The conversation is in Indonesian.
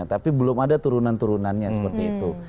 tapi belum ada turunan turunannya seperti itu